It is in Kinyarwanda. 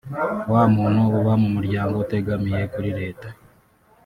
Wa muntu uba mu muryango utegamiye kuri leta